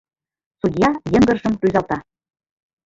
Судья йыҥгыржым рӱзалта.